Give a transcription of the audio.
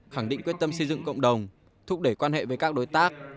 khẳng định quyết tâm xây dựng cộng đồng thúc đẩy quan hệ với các đối tác